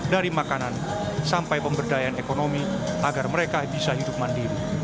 dari makanan sampai pemberdayaan ekonomi agar mereka bisa hidup mandiri